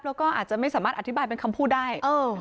แล้วก็อาจจะไม่สามารถอธิบายเป็นคำพูดได้